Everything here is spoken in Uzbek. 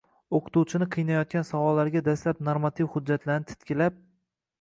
O‘qituvchini qiynayotgan savolga dastlab normativ hujjatlarni titkilab